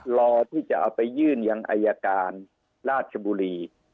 รอที่จะเอาไปยื่นยังอายการราชบุรี